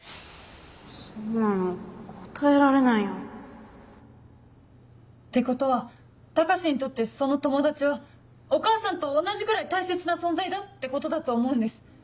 そんなの答えられないよってことは高志にとってその友達はお母さんと同じくらい大切な存在だってことだと思うんです。